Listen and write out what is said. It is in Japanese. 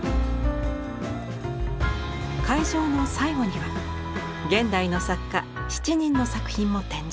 会場の最後には現代の作家７人の作品も展示。